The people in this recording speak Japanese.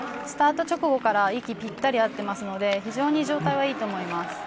スタート直後から息がぴったり合っていますので非常に状態はいいと思います。